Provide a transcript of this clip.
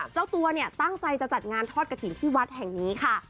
เจ้าตัวเนี่ยตั้งใจจะจัดงานทอดกระถิ่นที่วัดแห่งนี้ค่ะ